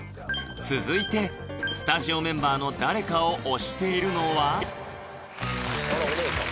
続いてスタジオメンバーの誰かを推しているのはあらおねえさん